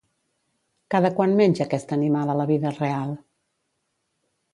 Cada quant menja aquest animal a la vida real?